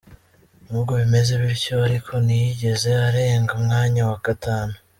Nubwo bimeze bityo ariko ntiyigeze arenga umwanya wa gatanu.